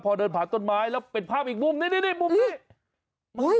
พอเดินผ่านต้นไม้แล้วเป็นภาพอีกมุมนี่นี่มุมนี้